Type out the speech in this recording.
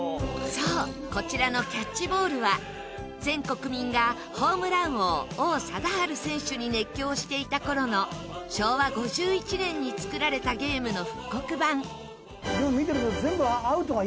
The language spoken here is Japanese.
そうこちらの『キャッチボール』は全国民がホームラン王王貞治選手に熱狂していた頃の昭和５１年に作られたゲームの復刻版。でも見てると随分。